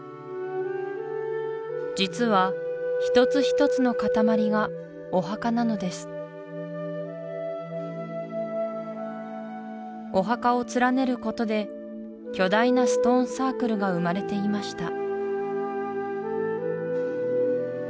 実は一つ一つのかたまりがお墓なのですお墓を連ねることで巨大なストーン・サークルが生まれていました